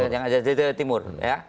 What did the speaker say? yang ada di jawa timur